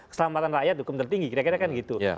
keselamatan rakyat hukum tertinggi kira kira kan gitu